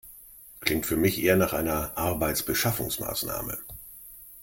Klingt für mich eher nach einer Arbeitsbeschaffungsmaßnahme.